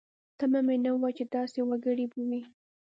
تمه مې نه وه چې داسې وګړي به وي.